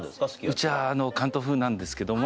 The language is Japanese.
うちは関東風なんですけども。